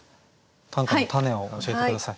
「短歌のたね」を教えて下さい。